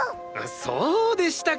そうでしたか！